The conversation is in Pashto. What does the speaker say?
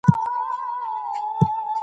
خلګو د پرمختګ لپاره هڅې وکړې.